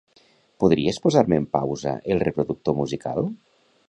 Podries posar-me en pausa el reproductor musical?